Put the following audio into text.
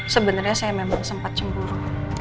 sebenarnya saya memang sempat cemburu